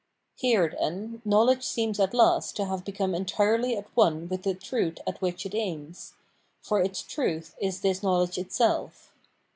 Here, then, knowledge seems at last to have become entirely at one with the truth at which it aims ; for its truth is this knowledge itself.